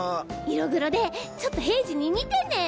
色黒でちょっと平次に似てんねん！